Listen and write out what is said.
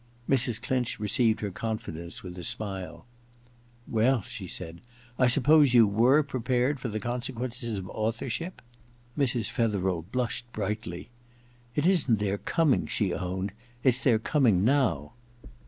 Mrs. Clinch received her confidence with a smile. * Well/ she said, * I suppose you were prepared for the consequences of authorship ?' Mrs. Fetherel blushed brightly. *It isn't their coming,* she owned — *it*s their coming • Now